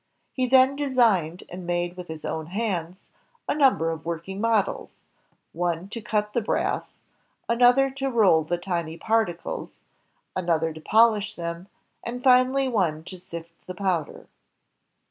He then designed and made with his own hands a number of working ' modelsj one to cut the brass, another to roll the tiny particles, another to polish them, and finally one to sift the powder.